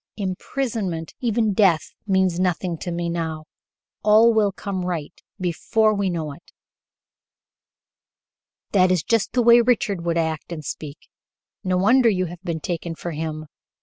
Imprisonment even death means nothing to me now. All will come right before we know it." "That is just the way Richard would act and speak. No wonder you have been taken for him!"